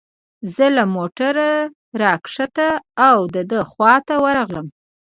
زه له موټره را کښته او د ده خواته ورغلم.